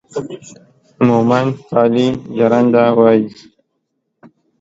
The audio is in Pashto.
مومند تالي جرنده وايي